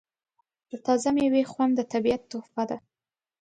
د تازه میوې خوند د طبیعت تحفه ده.